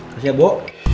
kasih ya bu